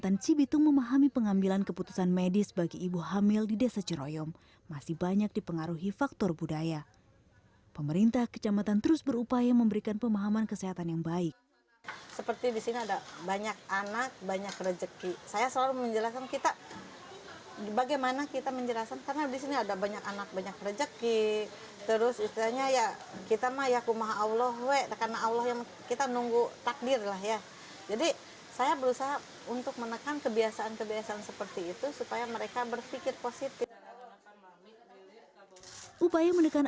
untuk menekan kebiasaan kebiasaan seperti itu supaya mereka berpikir positif upaya menekan